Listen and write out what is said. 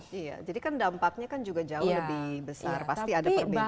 iya jadi kan dampaknya kan juga jauh lebih besar pasti ada perbedaan